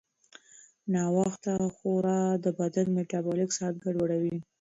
ناوخته خورا د بدن میټابولیک ساعت ګډوډوي.